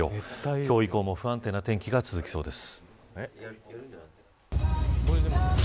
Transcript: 今日以降も不安定な天気が続きそうです。